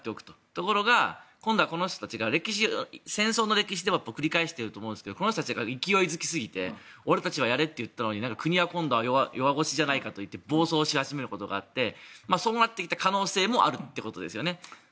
ところが、今度は戦争の歴史では繰り返してると思うんですけどこの人たちが勢いづきすぎて俺たちは、やれと言ったのに国は、今度は弱腰じゃないかということで暴走し始めることがあってそうなってきた可能性もあるってことですよね。